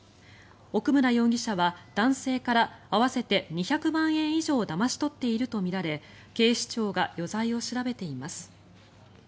奥村容疑者は男性から合わせて２００万円以上だまし取っているとみられ警視庁が余罪を調べています。